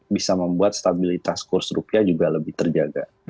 bisa membuat stabilitas kurs rupiah juga lebih terjaga